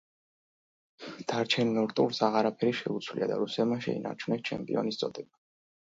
დარჩენილ ორ ტურს აღარაფერი შეუცვლია და რუსებმა შეინარჩუნეს ჩემპიონის წოდება.